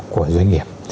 của doanh nghiệp